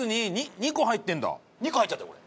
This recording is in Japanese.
２個入っちゃってるこれ。